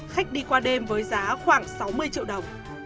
khách đi qua đêm với giá khoảng sáu mươi triệu đồng